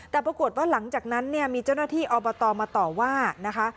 แต่ปรากฏว่าหลังจากนั้นเนี่ยมีเจ้าหน้าที่อบตมาต่อว่านะคะ